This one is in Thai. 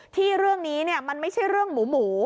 ที่เรื่องนี้มันไม่ใช่เรื่องหมู